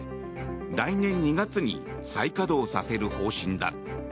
来年２月に再稼働させる方針だ。